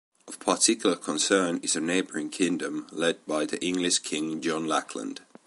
Of particular concern is a neighboring kingdom led by the English King John Lackland.